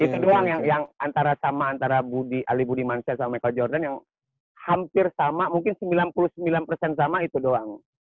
itu doang yang antara sama antara budi ali budimansyah sama michael jordan yang hampir sama mungkin sembilan puluh sembilan persen sama itu doang